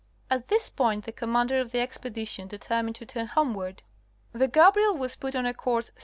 At this point the commander of the expedition determined to turn homeward. The Gadriel was put on a course 8.